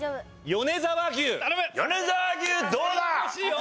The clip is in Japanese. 米沢牛どうだ？